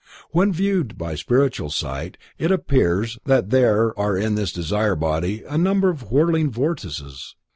When viewed by spiritual sight, it appears that there are in this desire body a number of whirling vortices.